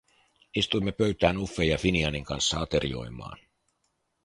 Istuimme pöytään Uffen ja Finianin kanssa aterioimaan.